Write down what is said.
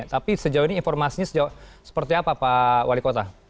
tapi sejauh ini informasinya seperti apa pak wali kota